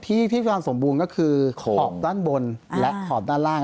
ที่มีความสมบูรณ์ก็คือขอบด้านบนและขอบด้านล่าง